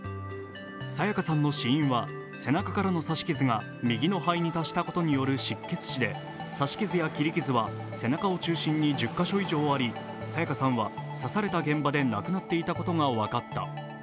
彩加さんの死因は背中からの刺し傷が右の肺に達したことによる失血死で刺し傷や切り傷は背中を中心に１０カ所以上あり、彩加さんは刺された現場で亡くなっていたことが分かった。